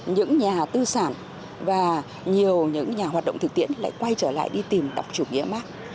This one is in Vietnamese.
những nhà tư sản và nhiều những nhà hoạt động thực tiễn lại quay trở lại đi tìm đọc chủ nghĩa mark